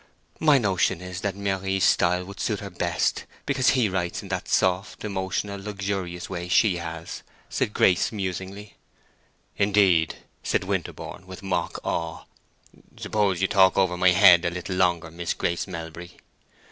"My notion is that Méry's style will suit her best, because he writes in that soft, emotional, luxurious way she has," Grace said, musingly. "Indeed!" said Winterborne, with mock awe. "Suppose you talk over my head a little longer, Miss Grace Melbury?"